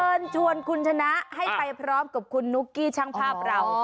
เชิญชวนคุณชนะให้ไปพร้อมกับคุณนุ๊กกี้ช่างภาพเรา